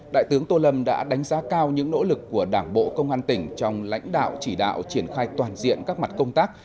đại tướng tô lâm đã đánh giá cao những nỗ lực của đảng bộ công an tỉnh trong lãnh đạo chỉ đạo triển khai toàn diện các mặt công tác